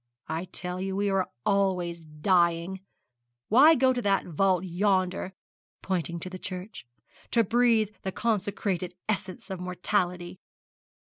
I tell you we are always dying. Why go to that vault yonder,' pointing to the church, 'to breathe the concentrated essence of mortality?'